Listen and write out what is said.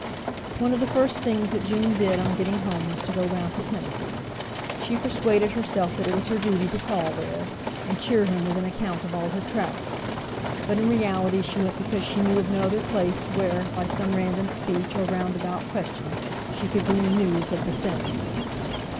One of the first things that June did on getting home was to go round to Timothy's. She persuaded herself that it was her duty to call there, and cheer him with an account of all her travels; but in reality she went because she knew of no other place where, by some random speech, or roundabout question, she could glean news of Bosinney.